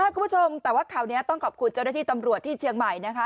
คุณผู้ชมแต่ว่าข่าวนี้ต้องขอบคุณเจ้าหน้าที่ตำรวจที่เชียงใหม่นะคะ